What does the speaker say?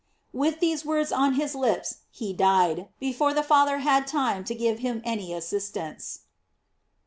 With these words on his lips he died, before the Father had time to give him any assistance.